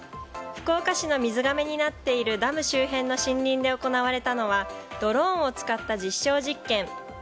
福岡市の水がめになっているダム周辺の森林で行われたのはドローンを使った実証実験。